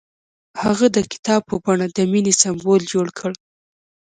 هغه د کتاب په بڼه د مینې سمبول جوړ کړ.